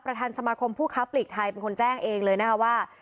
สมาคมผู้ค้าปลีกไทยเป็นคนแจ้งเองเลยนะคะว่า